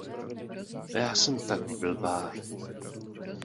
Já jsem tak blbá!